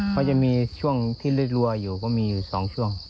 เขาจะมีช่วงที่รัวอยู่ก็มีอยู่๒ช่วง